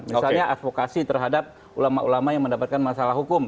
misalnya advokasi terhadap ulama ulama yang mendapatkan masalah hukum